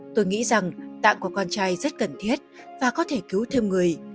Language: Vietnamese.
tôi nghĩ rằng tạng của con trai rất cần thiết và có thể cứu thêm người